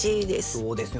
そうですよね